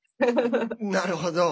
なるほど。